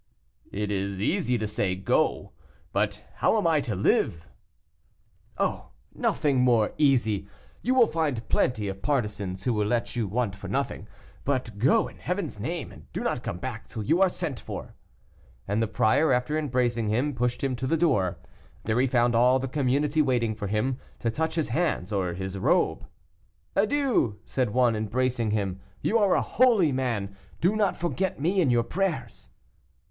"It is easy to say 'go,' but how am I to live?" "Oh! nothing more easy. You will find plenty of partisans who will let you want for nothing. But go, in Heaven's name, and do not come back till you are sent for." And the prior, after embracing him, pushed him to the door. There he found all the community waiting for him, to touch his hands or his robe. "Adieu!" said one, embracing him, "you are a holy man; do not forget me in your prayers."